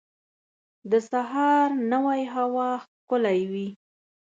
د سهار نوی هوا ښکلی وي.